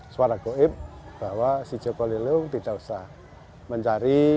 suara goib bahwa si joko lilung tidak usah mencari